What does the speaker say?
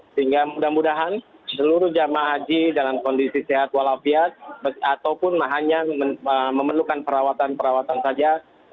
sehingga mudah mudahan seluruh jemaah haji dalam kondisi sehat walafiat ataupun hanya memerlukan perawatan perawatan saja